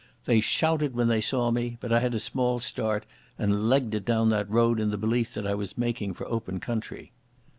They shouted when they saw me, but I had a small start, and legged it down that road in the belief that I was making for open country.